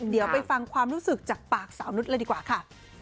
เดี๋ยวไปฟังความรู้สึกจากปากสาวนุษย์เลยดีกว่าค่ะ